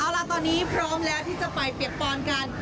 เอาล่ะตอนนี้พร้อมแล้วที่จะไปเปียกปอนกัน